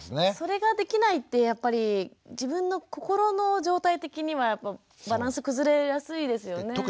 それができないってやっぱり自分の心の状態的にはバランス崩れやすいですよね。